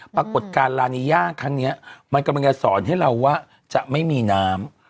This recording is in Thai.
ปรากฏการณ์ลานีย่าครั้งนี้มันกำลังจะสอนให้เราว่าจะไม่มีน้ำ